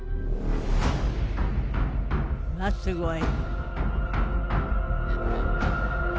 うわっすごい！